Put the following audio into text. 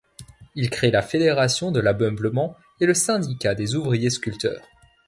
Il crée la fédération de l'ameublement et le syndicat des ouvriers sculpteurs.